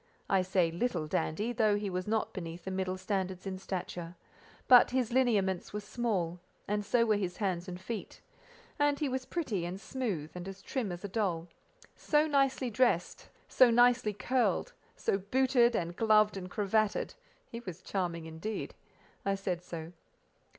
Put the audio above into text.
I say little dandy, though he was not beneath the middle standard in stature; but his lineaments were small, and so were his hands and feet; and he was pretty and smooth, and as trim as a doll: so nicely dressed, so nicely curled, so booted and gloved and cravated—he was charming indeed. I said so.